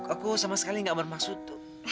aku sama sekali gak bermaksud tuh